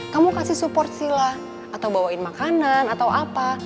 kamu kasih support sila atau bawain makanan atau apa